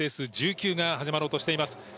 ＳＳ１９が始まろうとしています。